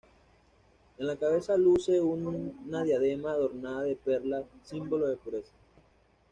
En la cabeza luce una diadema adornada de perlas, símbolo de pureza.